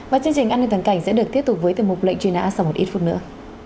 và chương trình an ninh toàn cảnh sẽ được tiếp tục với từ mục lệnh truy nã sau một ít phút nữa